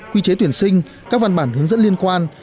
quy chế tuyển sinh các văn bản hướng dẫn liên quan